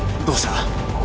どうした？